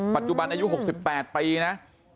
ปัจจุบันอายุ๖๘ปีนะ